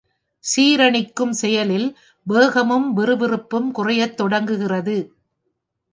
சீரணிக்கும் செயலில், வேகமும் விறுவிறுப்பும் குறையத் தொடங்குகிறது.